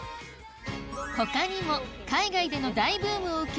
他にも海外での大ブームを受け